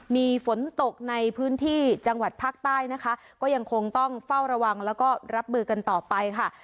มีฝนตกในพื้นที่จังหวัดภาคใต้นะคะก็ยังคงต้องเฝ้าระวังแล้วก็รับมือกันต่อไปค่ะ